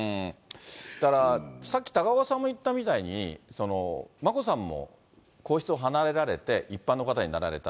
だから、さっき高岡さんも言ったみたいに、眞子さんも皇室を離れられて一般の方になられた。